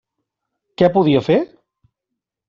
Què podia fer?